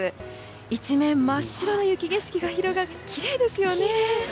一面真っ白の雪景色が広がってきれいですよね。